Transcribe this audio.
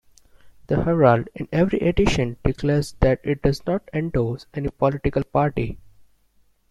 The Herald in every edition declares that it does not endorse any political party.